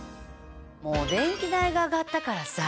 もう電気代が上がったからさ。